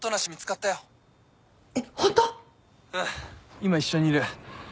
今一緒にいる。